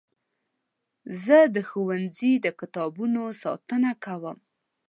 زه د ښوونځي د کتابونو ساتنه کوم.